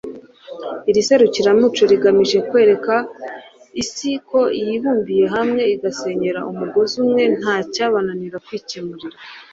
Iri serukiramuco rigamije kwereka Isi ko yibumbiye hamwe igasenyera umugozi umwe nta cyabananira kwikemurira